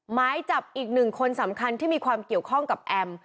หมายจับอีกหนึ่งคนสำคัญที่มีความเกี่ยวข้องกับแอม